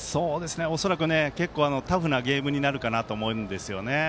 恐らく、タフなゲームになるかなと思うんです。